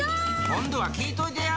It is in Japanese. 今度は聞いといてや！